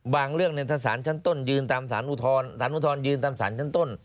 เรื่องถ้าสารชั้นต้นยืนตามสารอุทธรณ์สารอุทธรณยืนตามสารชั้นต้น